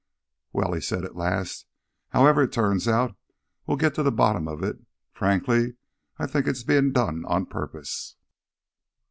"Well," he said at last, "however it turns out, we'll get to the bottom of it. Frankly, I think it's being done on purpose."